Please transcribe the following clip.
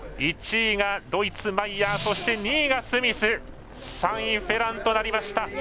１位がドイツ、マイヤー２位がスミス３位フェランとなりました。